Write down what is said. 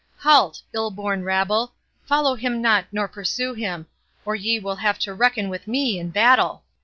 Halt! ill born rabble, follow him not nor pursue him, or ye will have to reckon with me in battle!"